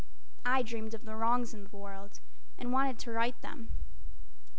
I dreamed of the wrongs of the world and wanted to right them.